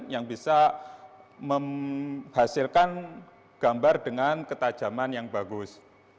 yang bisa menghasilkan gambar dengan ketajaman yang bagus